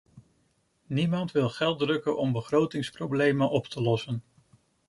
Niemand wil geld drukken om begrotingsproblemen op te lossen.